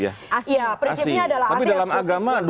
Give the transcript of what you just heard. asli tapi dalam agama